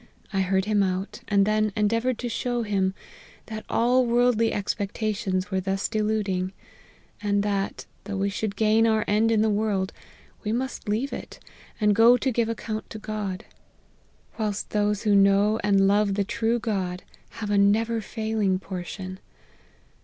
I heard him out, and then endeavoured to show him, that all worldly expectations were thus de luding; and that, though we should gain our end in the world, we must leave it, and go to give ac count to God : whilst those, who know and love the true God, have a never failing portion.